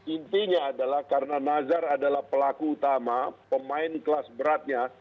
intinya adalah karena nazar adalah pelaku utama pemain kelas beratnya